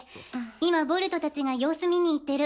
今ボルトたちが様子見に行ってる。